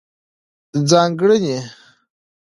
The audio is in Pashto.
ځانګړنې: